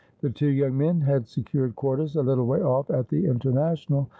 The two young men had secured quarters a little way ofE at the International.